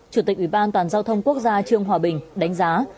chủ tịch ủy ban toàn giao thông quốc gia trương hòa bình đánh giá